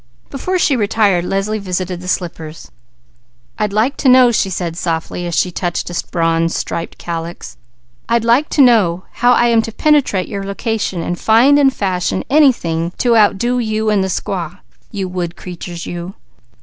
Before she retired Leslie visited the slippers. "I'd like to know," she said softly, as she touched a bronze striped calyx, "I'd like to know how I am to penetrate your location, and find and fashion anything to outdo you and the squaw, you wood creatures you!"